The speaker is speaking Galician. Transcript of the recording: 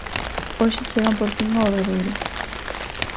Hoxe chegan por fin o Obradoiro.